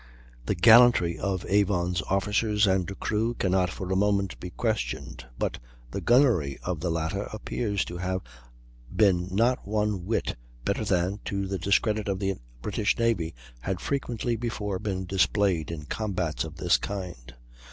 "The gallantry of the Avon's officers and crew cannot for a moment be questioned; but the gunnery of the latter appears to have been not one whit better than, to the discredit of the British navy, had frequently before been displayed in combats of this kind.